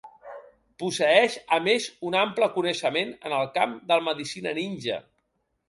Posseeix a més un ample coneixement en el camp de la medicina ninja.